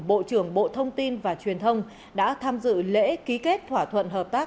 bộ trưởng bộ thông tin và truyền thông đã tham dự lễ ký kết thỏa thuận hợp tác